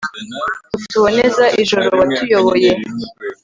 utuboneza ijuru, watuyoboye